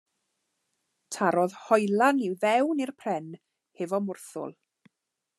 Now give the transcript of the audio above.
Tarodd hoelan i fewn i'r pren hefo mwrthwl.